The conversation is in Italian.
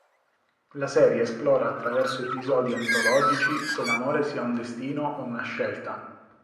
La serie esplora attraverso episodi antologici se l'amore sia un destino o una scelta.